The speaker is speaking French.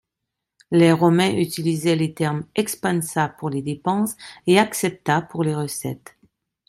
Les Romains utilisaient les termes expensa pour les dépenses et accepta pour les recettes.